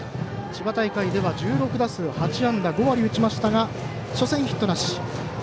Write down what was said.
千葉大会では１６打数８安打５割打ちましたが初戦ヒットなし。